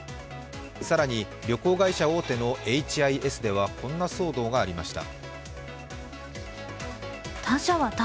更に、旅行会社大手のエイチ・アイ・エスではこんな騒動がありました。